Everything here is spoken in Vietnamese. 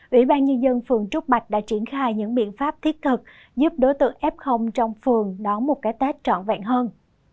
ủy ban nhân dân phường trúc bạch đã triển khai những biện pháp thiết thực giúp đối tượng f trong phường đón một cái tết trọn vẹn hơn